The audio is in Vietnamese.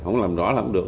không làm rõ làm được